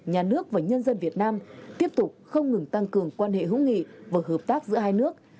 nhà nước và nhân dân việt nam tiếp tục không ngừng tăng cường quan hệ hữu nghị và hợp tác giữa hai nước